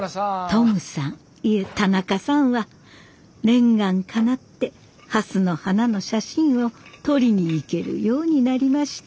トムさんいえ田中さんは念願かなって蓮の花の写真を撮りに行けるようになりました。